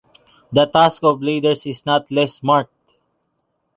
The task of leaders is not less marked.